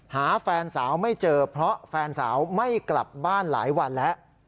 หาแฟนสาวไม่เจอเพราะแฟนสาวไม่กลับบ้านหลายวันแล้ว